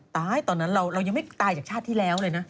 ตอนนั้นเรายังไม่ตายจากชาติที่แล้วเลยนะ